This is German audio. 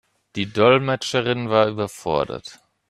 Die Dolmetscherin war überfordert.